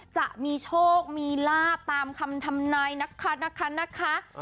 จะมีโชคมีลาบตามคำทำนายนะคะนะคะนะคะ